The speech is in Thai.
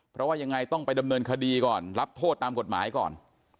เพราะว่ายังไงต้องไปดำเนินคดีก่อนรับโทษตามกฎหมายก่อน